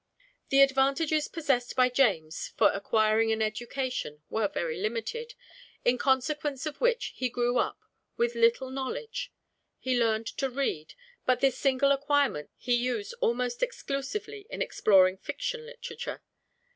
The advantages possessed by James for acquiring an education were very limited, in consequence of which he grew up with little knowledge. He learned to read, and this single acquirement he used almost exclusively in exploring fiction literature.